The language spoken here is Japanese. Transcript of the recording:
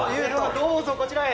どうぞこちらへ。